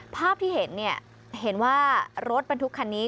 ภาพที่เห็นเนี่ยเห็นว่ารถบรรทุกคันนี้